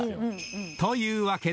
［というわけで早速］